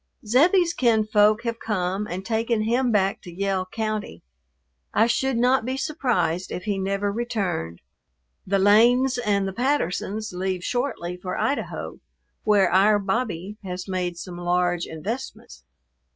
Zebbie's kinsfolk have come and taken him back to Yell County. I should not be surprised if he never returned. The Lanes and the Pattersons leave shortly for Idaho, where "our Bobbie" has made some large investments.